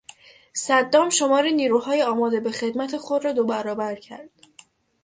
صدام شمار نیروهای آماده به خدمت خود را دو برابر کرد.